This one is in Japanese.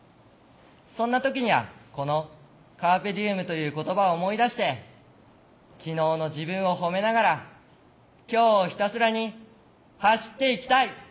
そんな時にはこの「Ｃａｒｐｅｄｉｅｍ」という言葉を思い出して昨日の自分を褒めながら今日をひたすらに走っていきたい。